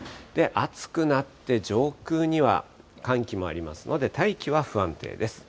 暑くなって上空には寒気もありますので、大気は不安定です。